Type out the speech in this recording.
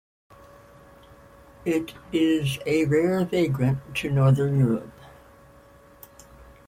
It is a rare vagrant to northern Europe.